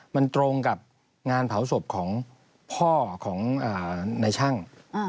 มันตรงกับงานเผาศพของพ่อของนายช่าง